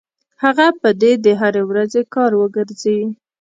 هغه به دې د هرې ورځې کار وګرځي.